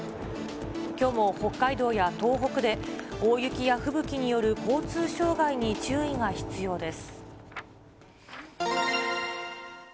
きょうも北海道や東北で大雪や吹雪による交通障害に注意が必要です。